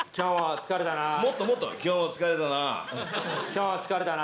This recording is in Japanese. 今日も疲れたな。